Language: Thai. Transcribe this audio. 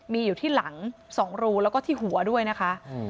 มีอยู่ที่หลัง๒รูแล้วก็ที่หัวด้วยนะคะ